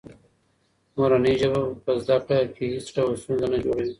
مورنۍ ژبه په زده کړه کې هېڅ ډول ستونزه نه جوړوي.